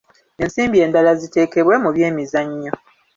Ensimbi endala ziteekebwe mu by'emizannyo.